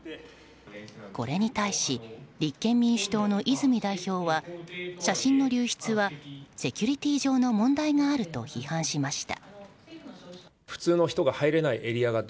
これに対し、立憲民主党の泉代表は写真の流出はセキュリティー上の問題があると批判しました。